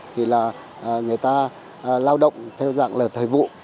thì là người ta lao động theo dạng là thời vụ